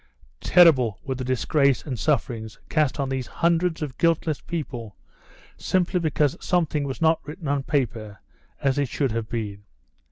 Terrible were the disgrace and sufferings cast on these hundreds of guiltless people simply because something was not written on paper as it should have been.